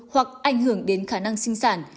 hoặc ảnh hưởng đến khả năng sinh sản